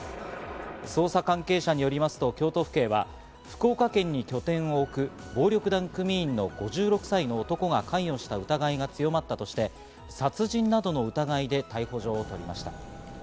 捜査関係者によりますと京都府警は、福岡県に拠点を置く、暴力団組員の５６歳の男が関与した疑いが強まったとして、殺人などの疑いで逮捕状を取りました。